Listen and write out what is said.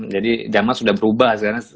jadi zaman sudah berubah sekarang